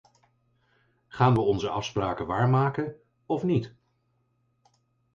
Gaan we onze afspraken waarmaken of niet?